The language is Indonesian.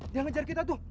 dia ngejar kita tuh